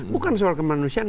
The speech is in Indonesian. bukan soal kemanusiaan